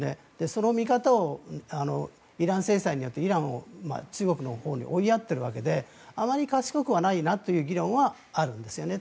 その見方を、イラン制裁によってイランを中国のほうに追いやっているわけであまり賢くはないなという議論はあるんですよね。